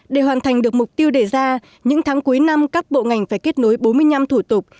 để hoàn thành được mục tiêu đề ra những tháng cuối năm các bộ ngành phải kết nối bốn mươi năm thủ tục